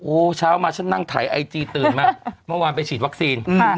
โอ้โหเช้ามาฉันนั่งถ่ายไอจีตื่นมาเมื่อวานไปฉีดวัคซีน